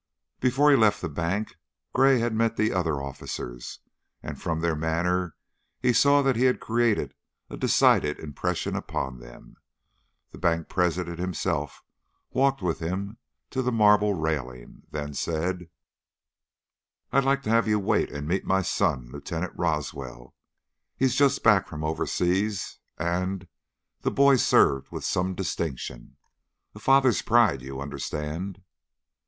Before he left the bank Gray had met the other officers, and from their manner he saw that he had created a decided impression upon them. The bank president himself walked with him to the marble railing, then said: "I'd like to have you wait and meet my son, Lieutenant Roswell. He's just back from overseas, and the boy served with some distinction. A father's pride, you understand?"